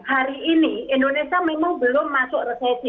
hari ini indonesia memang belum masuk resesi